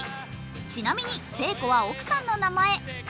ちなみに「せいこ」は奥さんの名前。